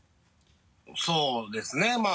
そうですねまぁ。